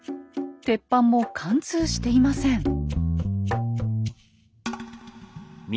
鉄板も貫通していません。